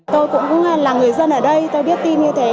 tôi cũng là người dân ở đây tôi biết tin như thế